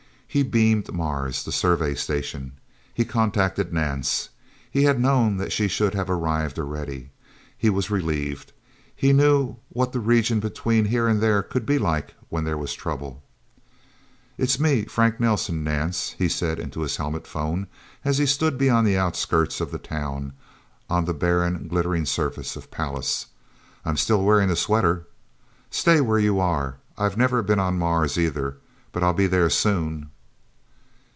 He beamed Mars the Survey Station. He contacted Nance. He had known that she should have arrived already. He was relieved. He knew what the region between here and there could be like when there was trouble. "It's me Frank Nelsen Nance," he said into his helmet phone, as he stood beyond the outskirts of the Town, on the barren, glittering surface of Pallas. "I'm still wearing the sweater. Stay where you are. I've never been on Mars, either. But I'll be there, soon..."